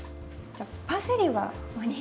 じゃあパセリはここに。